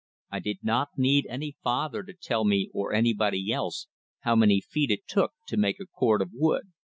I did not need any father to tell me or anybody else how many feet it took to make a cord of wood."